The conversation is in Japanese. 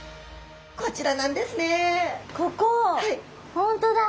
本当だ！